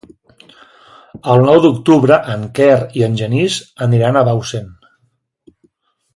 El nou d'octubre en Quer i en Genís aniran a Bausen.